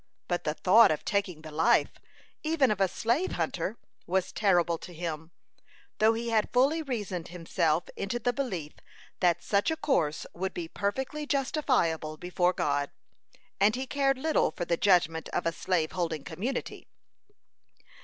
But the thought of taking the life, even of a slave hunter, was terrible to him, though he had fully reasoned himself into the belief that such a course would be perfectly justifiable before God; and he cared little for the judgment of a slave holding community.